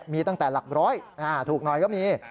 มีตั้งแต่หลักร้อยถูกหน่อยก็มี